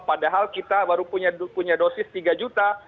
padahal kita baru punya dosis tiga juta